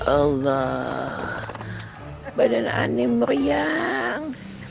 allah badan aneh meriang